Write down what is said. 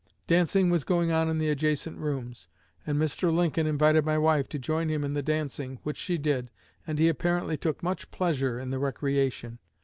Dancing was going on in the adjacent rooms, and Mr. Lincoln invited my wife to join him in the dancing, which she did, and he apparently took much pleasure in the recreation.